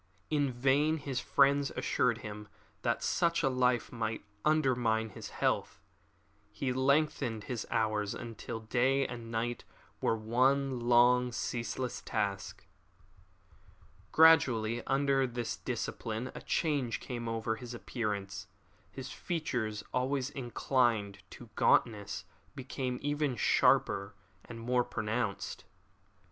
In vain his friends assured him that such a life must undermine his health. He lengthened his hours until day and night were one long, ceaseless task. Gradually under this discipline a change came over his appearance. His features, always inclined to gauntness, became even sharper and more pronounced.